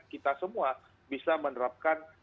kita semua bisa menerapkan